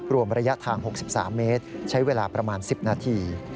รวมระยะทาง๖๓เมตรใช้เวลาประมาณ๑๐นาที